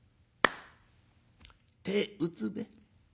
「手打つべ。